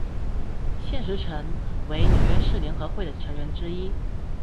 现时陈为纽约市联合会的成员之一。